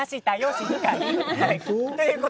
静かに。